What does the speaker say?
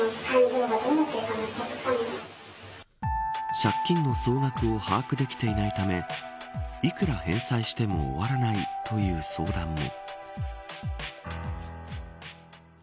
借金の総額を把握できていないため幾ら返済しても終わらないという相談も。